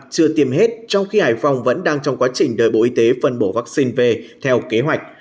chưa tiêm hết trong khi hải phòng vẫn đang trong quá trình đợi bộ y tế phân bổ vaccine về theo kế hoạch